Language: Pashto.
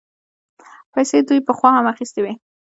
پيسې دوی پخوا هم اخيستې وې.